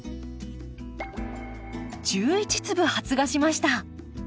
１１粒発芽しました。